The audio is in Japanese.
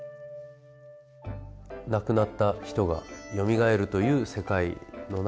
亡くなった人がよみがえるという世界の中で。